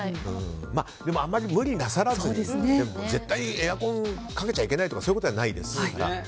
あまり無理なさらずに絶対エアコンかけちゃいけないということじゃないですから。